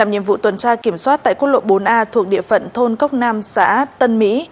một tuần tra kiểm soát tại quốc lộ bốn a thuộc địa phận thôn cốc nam xã tân mỹ